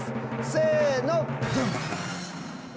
せのドゥン！